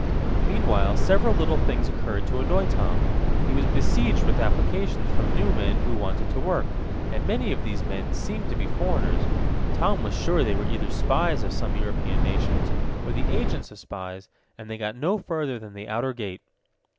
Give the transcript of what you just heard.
Meanwhile several little things occurred to annoy Tom. He was besieged with applications from new men who wanted to work, and many of these men seemed to be foreigners. Tom was sure they were either spies of some European nations, or the agents of spies, and they got no further than the outer gate.